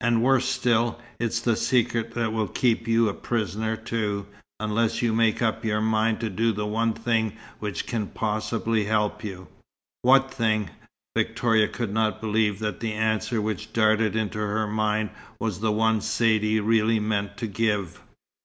And worse still, it's the secret that will keep you a prisoner, too, unless you make up your mind to do the one thing which can possibly help you." "What thing?" Victoria could not believe that the answer which darted into her mind was the one Saidee really meant to give.